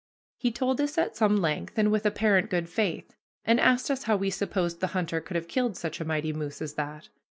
He told this at some length and with apparent good faith, and asked us how we supposed the hunter could have killed such a mighty moose as that.